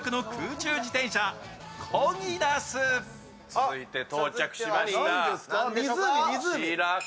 続いて到着しました。